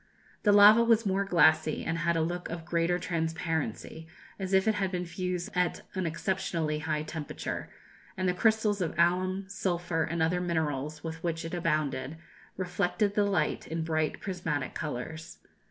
The lava was more glassy and had a look of greater transparency, as if it had been fused at an exceptionally high temperature; and the crystals of alum, sulphur, and other minerals with which it abounded, reflected the light in bright prismatic colours.